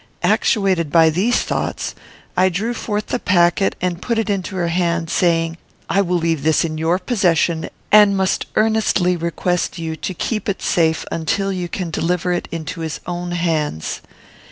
Actuated by these thoughts, I drew forth the packet, and put it into her hand, saying, "I will leave this in your possession, and must earnestly request you to keep it safe until you can deliver it into his own hands."